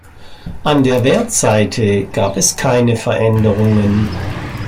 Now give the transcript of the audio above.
An der Wertseite gab es keine Veränderungen.